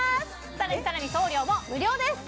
さらにさらに送料も無料ですっ